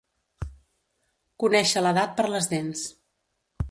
Conèixer l'edat per les dents.